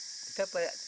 hesitasi sistem tersebut